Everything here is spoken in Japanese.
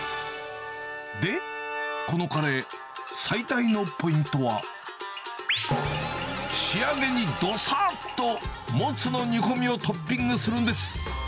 で、このカレー、最大のポイントは、仕上げにどさっとモツの煮込みをトッピングするんです。